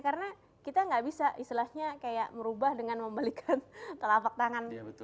karena kita gak bisa istilahnya kayak merubah dengan membalikkan telapak tangan